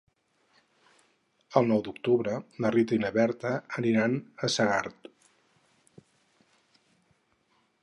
El nou d'octubre na Rita i na Berta aniran a Segart.